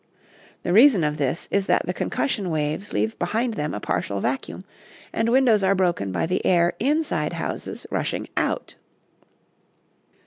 The reason of this is that the concussion waves leave behind them a partial vacuum, and windows are broken by the air inside houses rushing out.